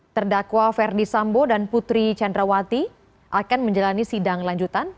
terdakwa ferdi sambo dan putri candrawati akan menjalani sidang lanjutan